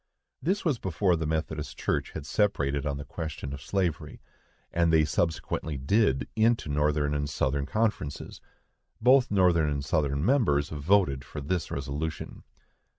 This was before the Methodist Church had separated on the question of slavery, as they subsequently did, into Northern and Southern Conferences. Both Northern and Southern members voted for this resolution.